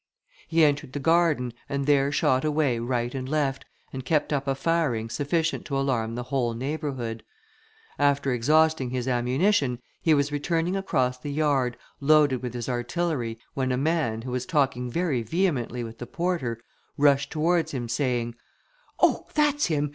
He entered the garden, and there shot away right and left, and kept up a firing sufficient to alarm the whole neighbourhood. After exhausting his ammunition, he was returning across the yard, loaded with his artillery, when a man, who was talking very vehemently with the porter, rushed towards him, saying, "Oh! that's him!